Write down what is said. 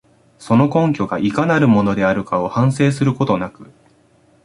その根拠がいかなるものであるかを反省することなく、